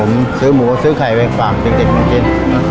ผมซื้อหมูซื้อไข่ไปฝากเด็กมากิน